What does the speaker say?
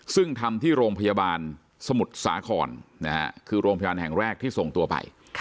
ซึ่งทำที่โรงพยาบาลสมุทรสาครคือโรงพยาบาลแห่งแรกที่ส่งตัวไป